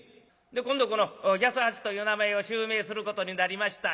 で今度この八十八という名前を襲名することになりました